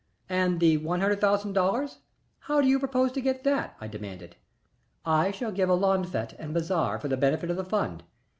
"And the one hundred thousand dollars how do you propose to get that?" I demanded. "I shall give a lawn fête and bazaar for the benefit of the fund.